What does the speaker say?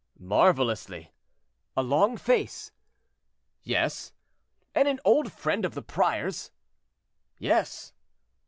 "Marvelously." "A long face?" "Yes." "And an old friend of the prior's?" "Yes."